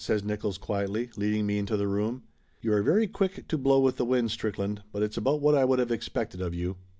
says Nickolls quietly, leading me into the room. "You are very quick to blow with the wind, Strickland, but it's about what I would have expected of you."